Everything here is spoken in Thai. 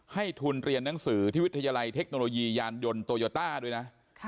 ให้ทุนเรียนหนังสือที่วิทยาลัยเทคโนโลยียานยนต์โตโยต้าด้วยนะ